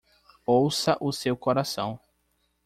Ouça o seu coração.